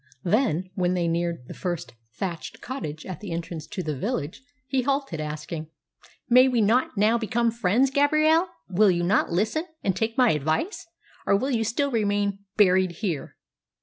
Then, when they neared the first thatched cottage at the entrance to the village, he halted, asking, "May we not now become friends, Gabrielle? Will you not listen, and take my advice? Or will you still remain buried here?"